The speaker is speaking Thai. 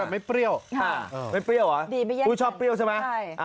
ไม่เปรี้ยวหรอปุ้ยชอบเปรี้ยวใช่ไหม